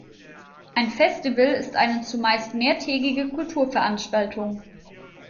Ein Festival ist eine zumeist mehrtägige Kulturveranstaltung